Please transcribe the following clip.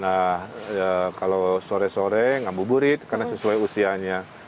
nah kalau sore sore ngabuburit karena sesuai usianya